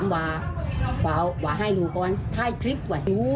ว่าให้รู้ก่อนถ้าให้คลิปไว้